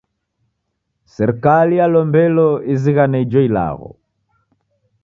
Serikali yalombelo izighane ijo ilagho.